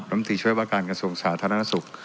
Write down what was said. รำทีช่วยวาการกระทรงสาธารณสุข